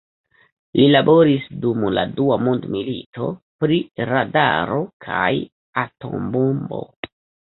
Li laboris dum la dua mondmilito pri radaro kaj atombombo.